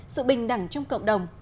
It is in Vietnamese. sự bình đẳng trong cộng đồng